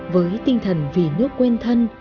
với tinh thần vì nước quen thân